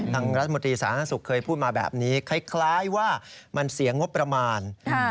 ทางรัฐมนตรีสาธารณสุขเคยพูดมาแบบนี้คล้ายว่ามันเสียงงบประมาณ